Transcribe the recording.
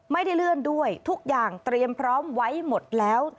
ไม่ได้เลื่อนด้วยทุกอย่างเตรียมพร้อมไว้หมดแล้ว